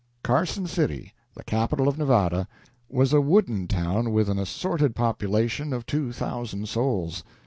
Carson City, the capital of Nevada, was a wooden town with an assorted population of two thousand souls.